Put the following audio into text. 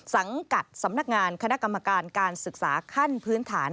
สังกัดสำนักงานคณะกรรมการการศึกษาขั้นพื้นฐาน